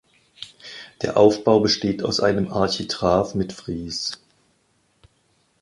Der Aufbau besteht aus einem Architrav mit Fries.